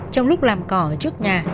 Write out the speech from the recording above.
trong lúc làm cỏ ở trước nhà